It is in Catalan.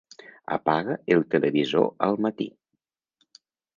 Apaga el televisor al matí.